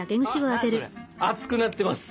あっ熱くなってます。